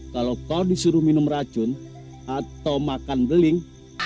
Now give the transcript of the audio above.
kalau kau disuruh minum racun atau makan beling